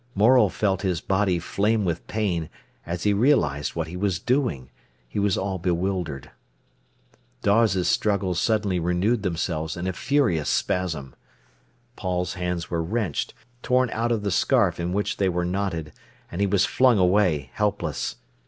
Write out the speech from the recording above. Morel felt his body flame with pain, as he realised what he was doing; he was all bewildered. Dawes's struggles suddenly renewed themselves in a furious spasm. Paul's hands were wrenched, torn out of the scarf in which they were knotted, and he was flung away, helpless.